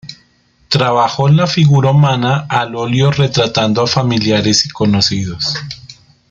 Trabajó la figura humana al óleo retratando a familiares y conocidos.